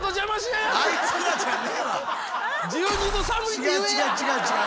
違う違う違う違う！